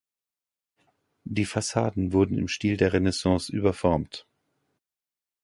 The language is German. Die Fassaden wurden im Stil der Renaissance überformt.